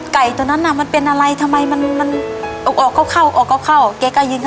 ไก่ตัวนั้นมันเป็นอะไรทำไมมันมัน